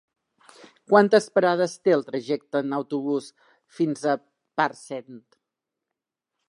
Quantes parades té el trajecte en autobús fins a Parcent?